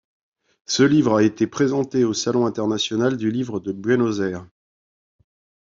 Ce livre a été présenté au Salon International du Livre de Buenos Aires.